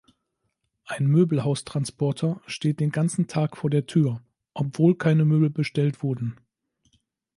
Ein Möbelhaustransporter steht den ganzen Tag vor der Tür, obwohl keine Möbel bestellt wurden.